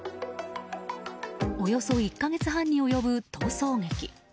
およそ１か月半に及ぶ逃走劇。